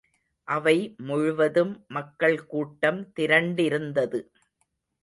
அவை முழுவதும் மக்கள் கூட்டம் திரண்டிருந்தது.